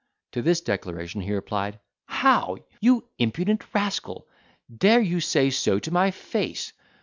To this declaration he replied, "How! you impudent rascal, dare you say so to my face?